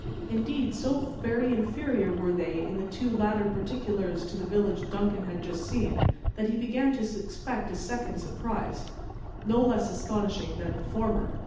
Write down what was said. Indeed, so very inferior were they in the two latter particulars to the village Duncan had just seen, that he began to expect a second surprise, no less astonishing that the former.